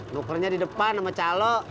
nukernya di depan sama calo